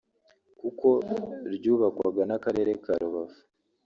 kuko ryubakwaga n’Akarere ka Rubavu